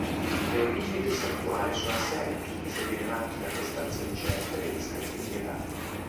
Le origini del santuario sono assai antiche sebbene manchino attestazioni certe negli scritti medievali.